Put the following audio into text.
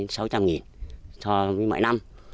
so với mỗi năm